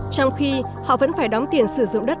trong khi họ vẫn phải đóng tiền sử dụng đất một trăm linh